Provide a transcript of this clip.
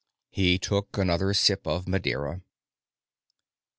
He took another sip of Madeira.